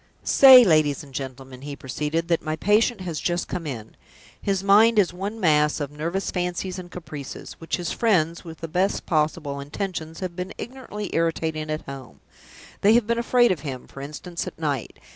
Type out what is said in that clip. "Say, ladies and gentlemen," he proceeded, "that my patient has just come in. His mind is one mass of nervous fancies and caprices, which his friends (with the best possible intentions) have been ignorantly irritating at home. They have been afraid of him, for instance, at night.